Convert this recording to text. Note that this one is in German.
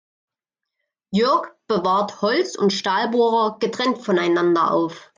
Jörg bewahrt Holz- und Stahlbohrer getrennt voneinander auf.